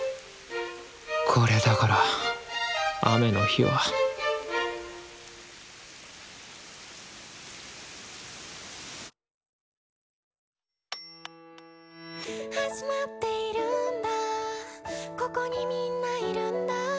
これだから雨の日は「始まっているんだここに皆いるんだ」